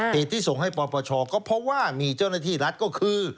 เหตุที่ส่งให้ปปชก็เพราะว่ามีเจ้าหน้าที่รัฐก็คือ